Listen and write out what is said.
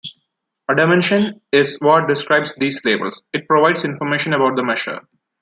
A "dimension" is what describes these "labels"; it provides information about the "measure".